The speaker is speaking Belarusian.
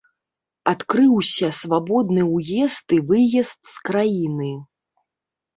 Адкрыўся свабодны ўезд і выезд з краіны.